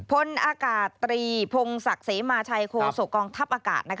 พลอากาศ๓พงศักดิ์ศรีมาชัยโคโสกองทัพอากาศ